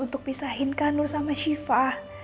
untuk pisahin kak nur sama syifa